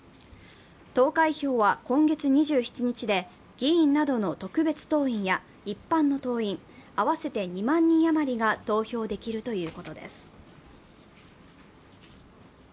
投開票は今月２７日で、議員などの特別党員や一般の党員、合わせて２万人余りが投票できるということです。